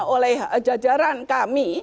oleh jajaran kami